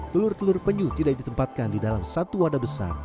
telur telur penyu tidak ditempatkan di dalam satu wadah besar